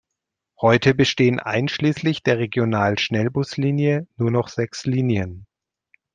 Heute bestehen einschließlich der Regional-Schnellbuslinie nur noch sechs Linien.